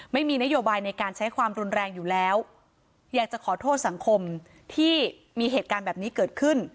ไม่มีนโยบายในการใช้ความรุนแรงอยู่แล้วอยากจะขอโทษสังคมที่มีเหตุการณ์แบบนี้เกิดขึ้น